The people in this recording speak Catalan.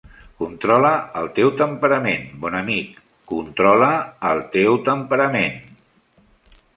Controla el teu temperament, bon amic, controla el teu temperament!